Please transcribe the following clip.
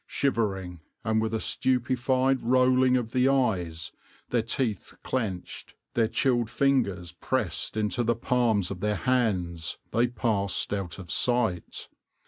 Shivering, and with a stupefied rolling of the eyes, their teeth clenched, their chilled fingers pressed into the palms of their hands, they passed out of sight.